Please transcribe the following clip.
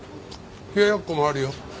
冷や奴もあるよ。